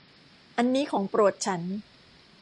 อันนี้ของโปรดฉัน